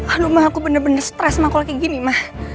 aduh ma aku bener bener stres ma aku lagi gini ma